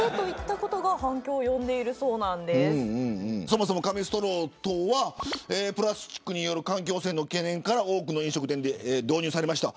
そもそも、紙ストローとはプラスチックによる環境汚染への懸念から多くの飲食店で導入されました。